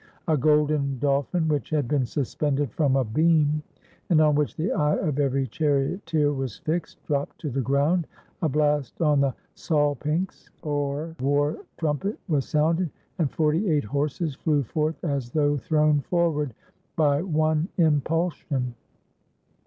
A golden dolphin, which had been suspended from a beam, and on which the eye of every charioteer was fixed, dropped to the ground, a blast on the salpinXy or war trumpet, was sounded, and forty eight horses flew forth as though thrown forward by one impulsion.